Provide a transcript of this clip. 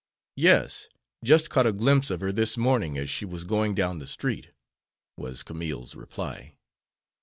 "Yes; just caught a glimpse of her this morning as she was going down the street," was Camille's reply.